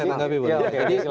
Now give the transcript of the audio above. saya menganggap ini oke